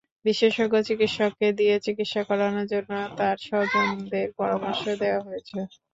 বিশেষজ্ঞ চিকিৎসককে দিয়ে চিকিৎসা করানোর জন্য তাঁর স্বজনদের পরামর্শ দেওয়া হয়েছে।